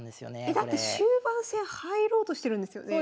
えだって終盤戦入ろうとしてるんですよね？